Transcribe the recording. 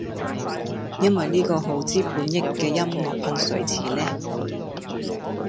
因為呢個耗資半億嘅音樂噴水池呢